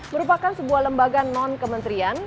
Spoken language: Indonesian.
merupakan sebuah lembaga non kementerian